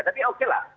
tapi oke lah